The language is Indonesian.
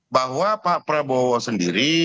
bahwa pak prabowo sendiri